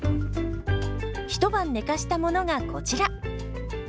一晩寝かしたものがこちら。